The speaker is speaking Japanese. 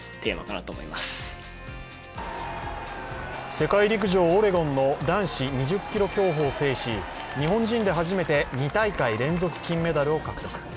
世界陸上オレゴンの男子２０ｋｍ競歩を制し日本人で初めて２大会連続金メダルを獲得。